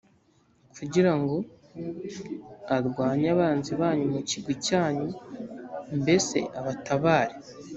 kugira ngo arwanye abanzi banyu mu kigwi cyanyu, mbese abatabare.»